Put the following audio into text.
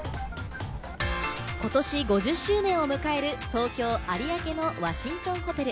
ことし５０周年を迎える東京・有明のワシントンホテル。